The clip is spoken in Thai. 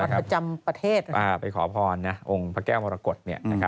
ถือว่าไปขอพรนะองค์พระแก้วมารกฤทธ์